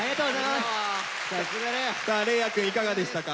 さあ嶺亜くんいかがでしたか？